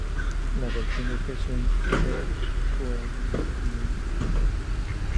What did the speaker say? En la versión de PlayStation, el jugador no necesita ningún ítem.